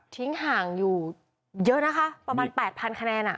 ทิ้งห่างอยู่เยอะนะคะประมาณแปดพันคะแนนน่ะ